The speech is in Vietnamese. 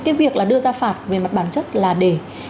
cái việc là đưa ra phạt về mặt bản chất là để